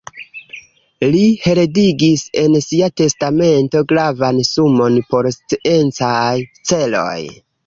Li heredigis en sia testamento gravan sumon por sciencaj celoj.